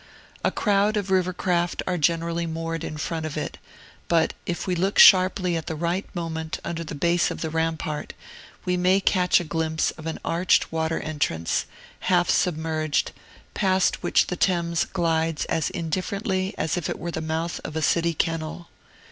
A crowd of rivercraft are generally moored in front of it; but, if we look sharply at the right moment under the base of the rampart, we may catch a glimpse of an arched water entrance, half submerged, past which the Thames glides as indifferently as if it were the mouth of a city kennel.